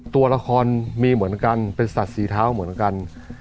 ตัวละครมีเหมือนกันเป็นสัตว์สีเท้าเหมือนกัน